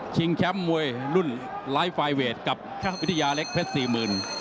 ชิงแชมป์มวยรุ่นไลฟ์ไฟเวทกับวิทยาเล็กแพทย์๔๐๐๐๐